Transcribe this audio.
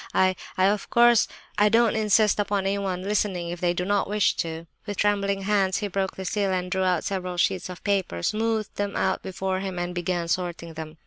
"I—I—of course I don't insist upon anyone listening if they do not wish to." With trembling fingers he broke the seal and drew out several sheets of paper, smoothed them out before him, and began sorting them.